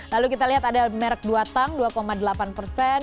lalu kita lihat ada merek duatang dua delapan persen